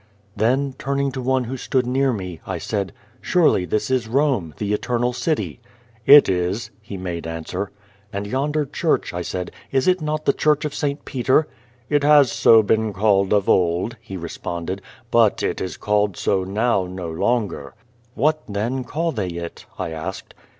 Then, turning to one who stood near me, I said, " Surely this is Rome, the Eternal City? " "It is," he made answer. "And yonder church," I said, "is it not the church of Saint Peter ?"" It has so been called ot old," he re sponded, "but it is called so now no longer." "What, then, call they it?" I asked.